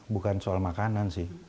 bukan soal makanan sih